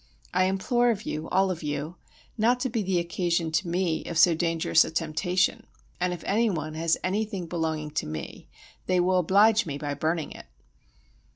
I implore of you, all of you, not to be the occasion to me of so dangerous a temptation, and if anyone has anything belonging to me they will oblige me by burning it.